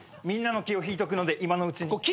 みんなの気を引いとくので今のうちに。